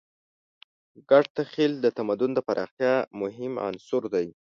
ګډ تخیل د تمدن د پراختیا مهم عنصر دی.